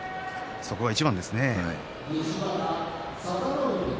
そこがいちばんですね。